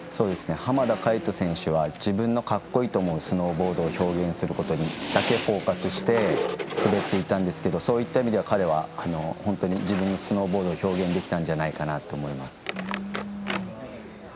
浜田海人選手は自分の格好いいと思うスノーボードを表現することだけフォーカスして滑っていたんですけどそういった意味では彼は本当に自分のスノーボードを表現できたんじゃないかと思います。